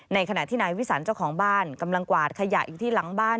ขณะที่นายวิสันเจ้าของบ้านกำลังกวาดขยะอยู่ที่หลังบ้าน